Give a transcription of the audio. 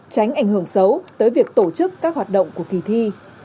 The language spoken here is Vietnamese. tránh ảnh hưởng xấu tới việc tổ chức các hoạt động của kỳ thi